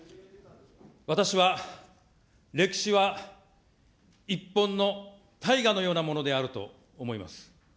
私は、歴史は一本の大河のようなものであると思います。